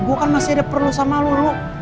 gue kan masih ada perlu sama lo lo